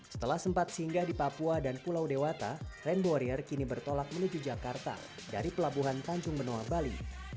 setelah sempat singgah di papua dan pulau dewata rainbow warrior kini bertolak menuju jakarta dari pelabuhan tanjung benoa bali